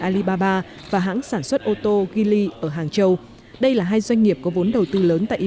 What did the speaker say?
alibaba và hãng sản xuất ô tô gilley ở hàng châu đây là hai doanh nghiệp có vốn đầu tư lớn tại i